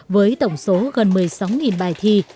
với tổng số gần một mươi sáu bài thi